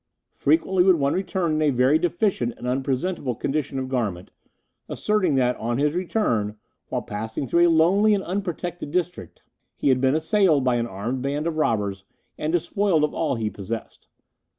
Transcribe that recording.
Frequently would one return in a very deficient and unpresentable condition of garment, asserting that on his return, while passing through a lonely and unprotected district, he had been assailed by an armed band of robbers, and despoiled of all he possessed.